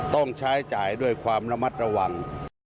ต้องใช้จ่ายด้วยความระมัดระวัง